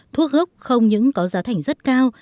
thuốc ốc không những có giá thành rất cao